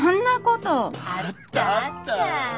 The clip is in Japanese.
あったあった。